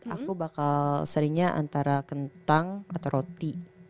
aku bakal seringnya antara kentang atau roti